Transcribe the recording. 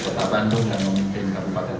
kepala kita sudah dua periode memimpin kabupaten tasik